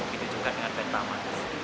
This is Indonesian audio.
bidujukan dengan pertamax